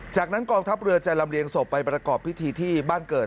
จากนั้นกองทัพเรือจะลำเรียงศพไปประกอบพิธีที่บ้านเกิด